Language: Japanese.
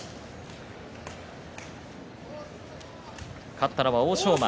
勝ったのは欧勝馬。